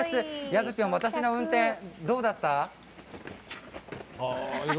やずぴょんも私の運転どうだった？